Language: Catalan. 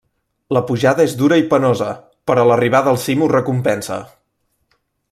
La pujada és dura i penosa, però l'arribada al cim ho recompensa.